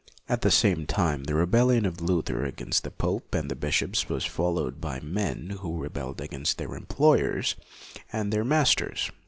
At the same time the rebellion of Luther against the pope and the bishops was fol lowed by men who rebelled against their employers and their masters.